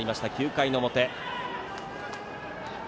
９回の表。